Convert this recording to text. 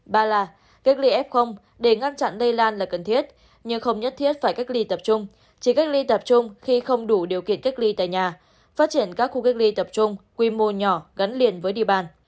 ba là cách ly f để ngăn chặn lây lan là cần thiết nhưng không nhất thiết phải cách ly tập trung chỉ cách ly tập trung khi không đủ điều kiện cách ly tại nhà phát triển các khu cách ly tập trung quy mô nhỏ gắn liền với địa bàn